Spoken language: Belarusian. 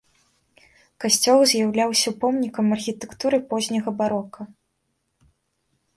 Касцёл з'яўляўся помнікам архітэктуры позняга барока.